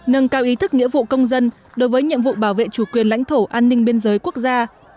nâng cao ý thức nghĩa vụ công dân đối với nhiệm vụ bảo vệ chủ quyền lãnh thổ an ninh biên giới quốc gia